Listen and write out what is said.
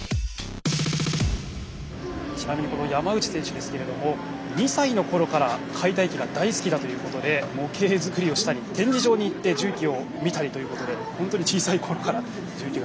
ちなみにこの山内選手ですけれども２歳のころから解体機が大好きだということで模型作りをしたり展示場に行って重機を見たりということで本当に小さいころから重機が大好きということですね。